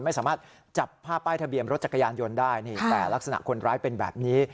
ไม่สามารถจับภาพป้ายทะเบียนรถจักรยานยนต์ได้นี่แต่ลักษณะคนร้ายเป็นแบบนี้